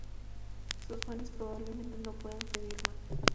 Sus fanes probablemente no puedan pedir mas.